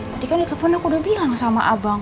tadi kan di telepon ak udah bilang sama abang